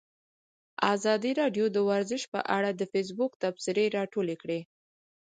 ازادي راډیو د ورزش په اړه د فیسبوک تبصرې راټولې کړي.